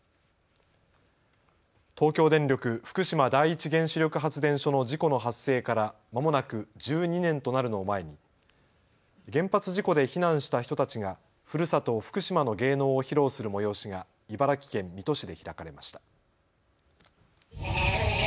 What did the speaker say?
東京電力福島第一原子力発電所の事故の発生からまもなく１２年となるのを前に原発事故で避難した人たちがふるさと福島の芸能を披露する催しが茨城県水戸市で開かれました。